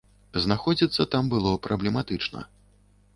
Знаходзіцца там было праблематычна.